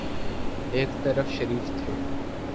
ایک طرف شریف تھے۔